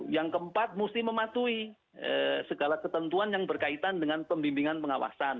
yang keempat mesti mematuhi segala ketentuan yang berkaitan dengan pembimbingan pengawasan